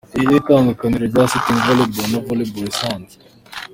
Ni irihe tandukaniro rya Sitting Volleyball na Volleyball isanzwe?.